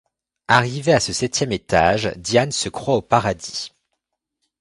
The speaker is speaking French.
Arrivé à ce septième étage, Diane se croit au paradis.